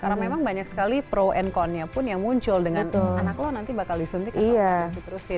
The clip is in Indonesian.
karena memang banyak sekali pro and con nya pun yang muncul dengan anak lo nanti bakal disuntik atau dikasih terus ya